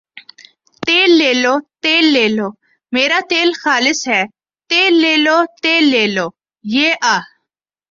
تیل لے لو ، تیل لے لو میرا تیل خالص ھے تیل لے لو تیل لے لو یہ آ